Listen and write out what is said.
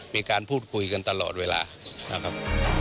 มีการพูดคุยกันตลอดเวลานะครับ